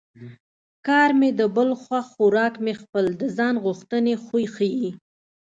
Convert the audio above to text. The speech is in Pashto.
کار مې د بل خوښ خوراک مې خپل د ځان غوښتنې خوی ښيي